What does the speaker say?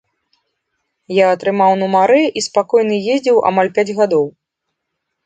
Я атрымаў нумары і спакойна ездзіў амаль пяць гадоў.